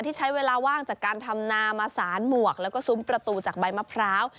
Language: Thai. ที่ใช้เวลาว่างจากการทำนามาสารหมวกแล้วก็ซุ้มประตูจากใบมะพร้าว